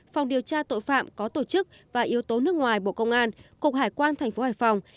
phòng điều tra tội phạm có tổ chức và yếu tố nước ngoài bộ công an cục hải quan tp hải phòng